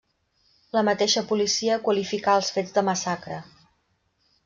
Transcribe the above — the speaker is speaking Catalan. La mateixa policia qualificà els fets de massacre.